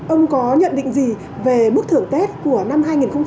ông có nhận định gì về mức thưởng tết của năm hai nghìn hai mươi